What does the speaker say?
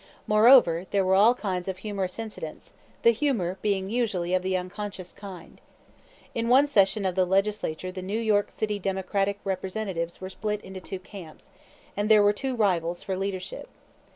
Moreover, there were all kinds of humorous incidents, the humor being usually of the unconscious kind. In one session of the Legislature the New York City Democratic representatives were split into two camps, and there were two rivals for leadership.